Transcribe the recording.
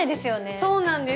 そうなんです。